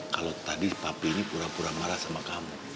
kalau tadi papinya pura pura marah sama kamu